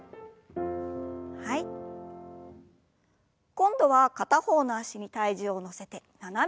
今度は片方の脚に体重を乗せて斜めに。